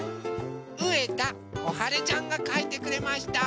うえたこはれちゃんがかいてくれました。